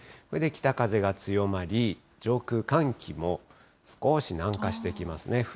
これで北風が強まり、上空、寒気も少し南下してきますね。